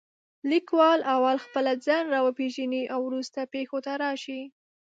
لیکوال اول خپله ځان را وپېژنې او وروسته پېښو ته راشي.